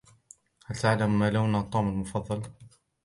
هل تعلم ماهو لون "توم" المفضل؟